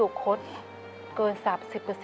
ขอเอ็กซาเรย์แล้วก็เจาะไข่ที่สันหลังค่ะ